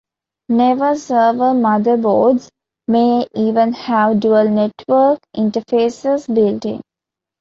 Newer server motherboards may even have dual network interfaces built-in.